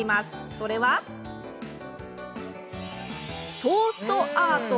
それはトーストアート。